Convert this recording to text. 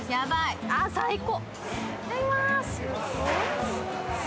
最高！